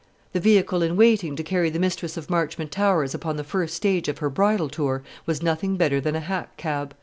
The vehicle in waiting to carry the mistress of Marchmont Towers upon the first stage of her bridal tour was nothing better than a hack cab.